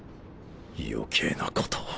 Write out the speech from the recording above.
余計なことを。